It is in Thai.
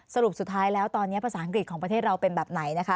สรุปสุดท้ายแล้วตอนนี้ภาษาอังกฤษของประเทศเราเป็นแบบไหนนะคะ